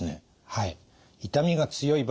はい。